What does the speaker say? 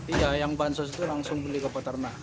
iya yang bahan sos itu langsung beli ke peternak